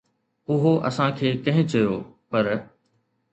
اهو اسان کي ڪنهن چيو، پر